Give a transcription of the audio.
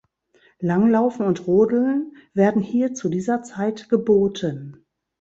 Langlaufen und Rodeln werden hier zu dieser Zeit geboten.